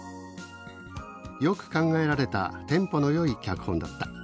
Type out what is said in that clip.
「よく考えられたテンポのよい脚本だった。